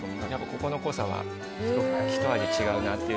ここの濃さはひと味違うなと。